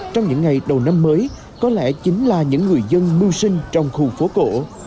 trong những ngày đầu năm mới có lẽ chính là những người dân mưu sinh trong khu phố cổ